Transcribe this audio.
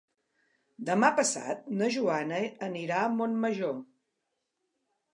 Demà passat na Joana anirà a Montmajor.